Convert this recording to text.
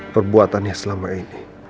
perbuatannya selama ini